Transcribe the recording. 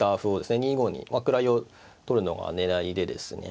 ２五に位を取るのが狙いでですね。